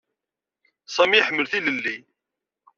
Sami iḥemmel tilelli.